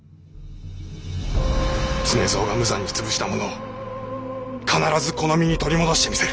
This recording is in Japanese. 常蔵が無残につぶしたものを必ずこの身に取り戻してみせる。